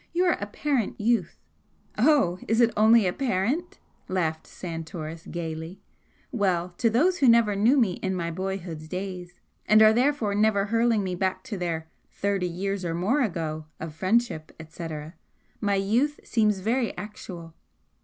Your apparent youth " "Oh, is it only 'apparent'?" laughed Santoris, gaily "Well, to those who never knew me in my boyhood's days and are therefore never hurling me back to their 'thirty years or more ago' of friendship, etc., my youth seems very actual!